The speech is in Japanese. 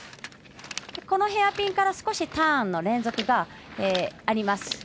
このヘアピンから少しターンの連続があります。